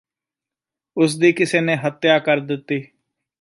ਉਸਦੀ ਕਿਸੇ ਨੇ ਹੱਤਿਆ ਕਰ ਦਿੱਤੀ ਸੀ